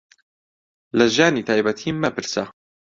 لە ژیانی تایبەتیم مەپرسە.